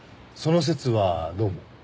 その節はどうも。